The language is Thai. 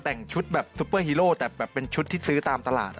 แต่งชุดแบบซุปเปอร์ฮีโร่แต่แบบเป็นชุดที่ซื้อตามตลาด